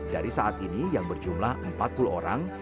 dari saat ini yang berjumlah empat puluh orang